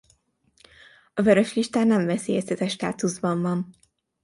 A Vörös Listán nem veszélyeztetett státuszban van.